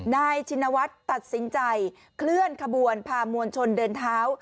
ชินวัฒน์ตัดสินใจเคลื่อนขบวนพามวลชนเดินเท้า